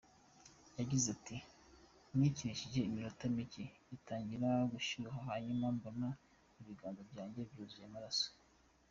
Yagize ati “Nayikinishije iminota mike itangira gushyuha hanyuma mbona ibiganza byanjye byuzuye amaraso.